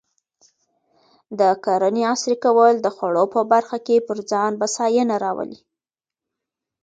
د کرنې عصري کول د خوړو په برخه کې پر ځان بسیاینه راولي.